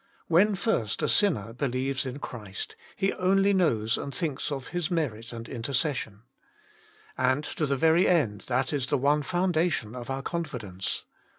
When first a sinner believes in Christ, he only knows and thinks of His merit and inter cession. And to the very end that is the one foundation of our confidence.